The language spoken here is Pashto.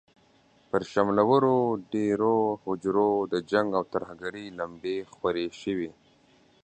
پر شملورو دېرو، هوجرو د جنګ او ترهګرۍ لمبې خورې شوې.